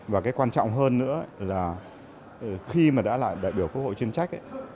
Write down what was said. và quan trọng hơn nữa là khi đã là đại biểu quốc hội chuyên trách